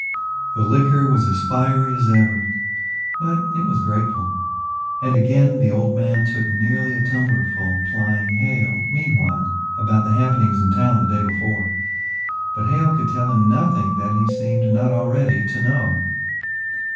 The liquor was as fiery as ever, but it was grateful, and again the old man took nearly a tumbler full plying Hale, meanwhile, about the happenings in town the day before but Hale could tell him nothing that he seemed not already to know.